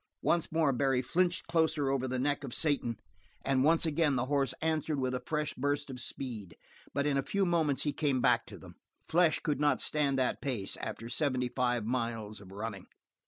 Once more Barry flinched closer over the neck of Satan and once again the horse answered with a fresh burst of speed, but in a few moments he came back to them. Flesh could not stand that pace after seventy five miles of running.